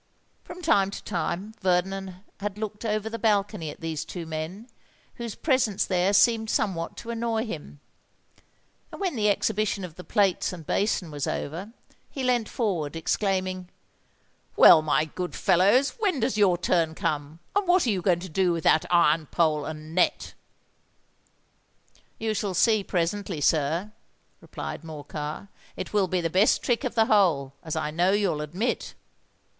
From time to time Vernon had looked over the balcony at these two men, whose presence there seemed somewhat to annoy him: and when the exhibition of the plates and basin was over, he leant forward, exclaiming, "Well, my good fellows, when does your turn come? and what are you going to do with that iron pole and net?" "You shall see presently, sir," replied Morcar. "It will be the best trick of the whole—as I know you'll admit."